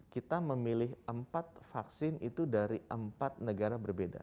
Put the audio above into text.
kita memilih empat vaksin itu dari empat negara berbeda